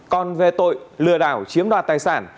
còn về tội lừa đảo chiếm đoạt tài sản